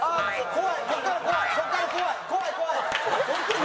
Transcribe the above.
怖い！